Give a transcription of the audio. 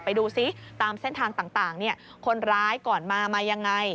ไปดูซิตามเส้นทางต่างคนร้ายก่อนมามายังไง